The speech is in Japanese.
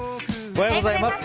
おはようございます。